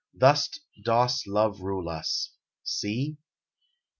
Thu s dost love rule us. See?